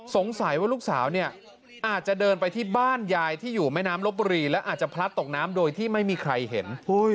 สงสัยว่าลูกสาวเนี่ยอาจจะเดินไปที่บ้านยายที่อยู่แม่น้ำลบบุรีและอาจจะพลัดตกน้ำโดยที่ไม่มีใครเห็น